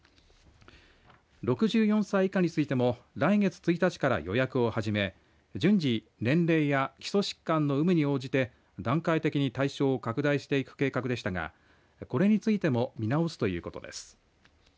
６４歳以下についても来月１日から予約をはじめ順次、年齢や基礎疾患の有無に応じて段階的に対象を拡大していく計画でしたがこれについても見直すということです。